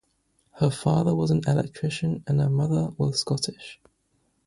Her father was an electrician and her mother was Scottish.